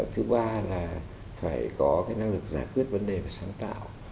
thứ ba là phải có cái năng lực giải quyết vấn đề về sáng tạo